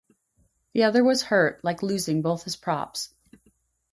The other was hurt, like losing both his props.